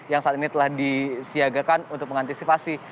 yang saat ini telah disiagakan untuk mengantisipasi